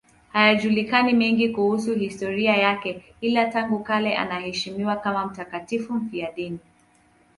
Hayajulikani mengine kuhusu historia yake, ila tangu kale anaheshimiwa kama mtakatifu mfiadini.